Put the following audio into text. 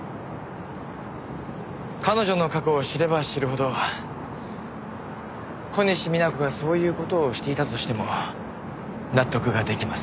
彼女の過去を知れば知るほど小西皆子がそういう事をしていたとしても納得が出来ます。